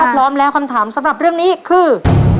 พร้อมแล้วคำถามสำหรับเรื่องนี้คือ